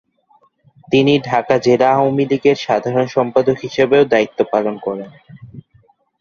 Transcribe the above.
তিনি ঢাকা জেলা আওয়ামী লীগের সাধারণ সম্পাদক হিসেবেও দায়িত্ব পালন করেন।